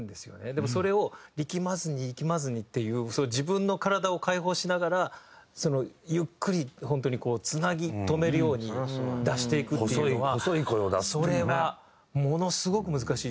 でもそれを力まずに力まずにっていう自分の体を解放しながらゆっくり本当にこうつなぎ止めるように出していくっていうのはそれはものすごく難しいですよね。